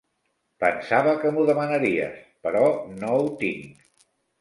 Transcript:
Pensava que m'ho demanaries, però no ho tinc.